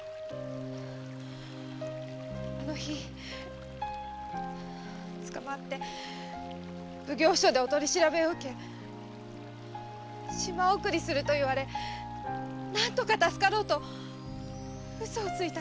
あの日捕まって奉行所でお取り調べを受け島送りすると言われ何とか助かろうとウソをついたんです。